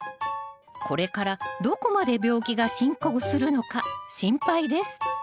これからどこまで病気が進行するのか心配です